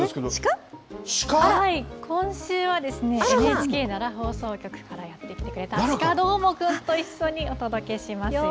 今週はＮＨＫ奈良放送局からやって来てくれた、鹿どーもくんと一緒にお届けしますよ。